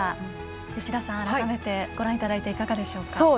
吉田さん、改めてご覧いただいていかがですか。